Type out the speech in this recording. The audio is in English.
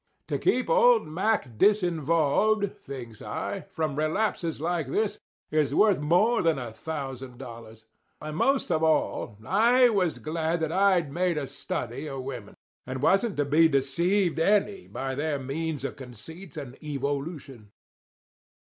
"To keep old Mack disinvolved," thinks I, "from relapses like this, is worth more than a thousand dollars." And most of all I was glad that I'd made a study of women, and wasn't to be deceived any by their means of conceit and evolution.